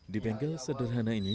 di bengkel sederhana ini